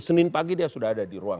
senin pagi dia sudah ada di ruang